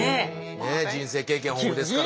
ねえ人生経験豊富ですから。